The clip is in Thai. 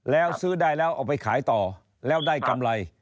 แล้วซื้อได้แล้วเอาไปขายต่อแล้วได้กำไร